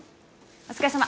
お疲れさま。